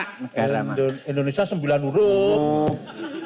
indonesia sembilan huruf